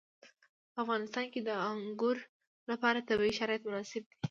په افغانستان کې د انګور لپاره طبیعي شرایط مناسب دي.